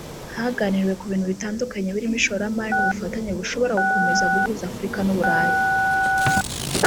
Haganiriwe ku bintu bitandukanye birimo ishoramari n’ubufatanye bushobora gukomeza guhuza Afurika n’u Burayi